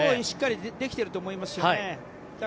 しっかりできていると思いますよね。